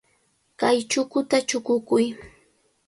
Kay chukuta chukukuy.